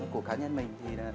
của cá nhân mình